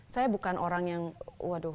saya bukan orang yang waduh